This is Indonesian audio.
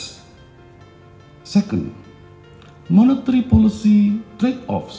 kedua kegiatan kebijakan ekonomi secara otomatis